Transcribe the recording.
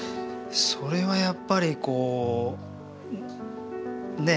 それはやっぱりこうね？